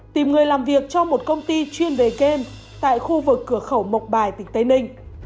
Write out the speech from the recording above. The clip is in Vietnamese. tìm người làm việc cho một công ty chuyên về kênh tại khu vực cửa khẩu mộc bài tỉnh tây ninh